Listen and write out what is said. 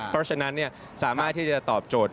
เพราะฉะนั้นสามารถที่จะตอบโจทย์